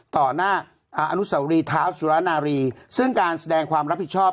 ต่อหน้าอนุสวรีเท้าสุรนารีซึ่งการแสดงความรับผิดชอบ